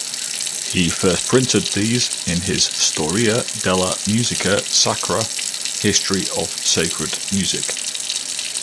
He first printed these in his "Storia della musica sacra" ("History of Sacred Music").